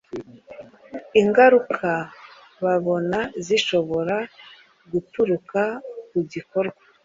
ingaruka babona zishobora guturuka ku gikorwa.